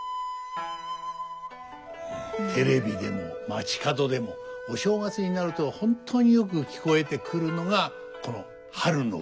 テレビでも街角でもお正月になると本当によく聞こえてくるのがこの「春の海」。